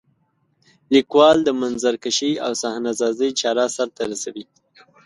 لیکوال د منظرکشۍ او صحنه سازۍ چاره سرته رسوي.